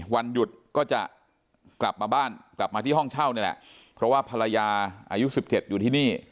วันหยุดก็จะกลับมาบ้านกลับมาที่ห้องเช่านี่แหละเพราะว่าภรรยาอายุ๑๗อยู่ที่นี่